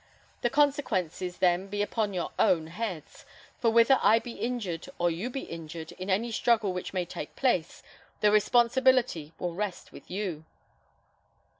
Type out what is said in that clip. The consequences, then, be upon your own heads; for whether I be injured or you be injured, in any struggle which may take place, the responsibility will rest with you."